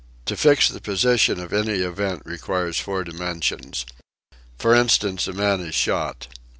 To fix the position of any event requires four dimensions. For instance, a man is shot.